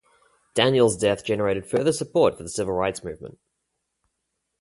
Daniels' death generated further support for the Civil Rights Movement.